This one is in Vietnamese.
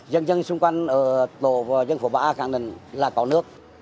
dân dân xung quanh ở tổ và dân phố bã khẳng định là có nước